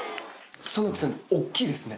其木さん大っきいですね。